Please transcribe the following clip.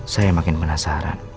saya makin penasaran